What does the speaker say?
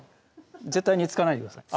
絶対に突かないでください